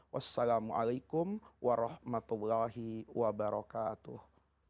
wassalamualaikum warahmatullahi wabarakatuh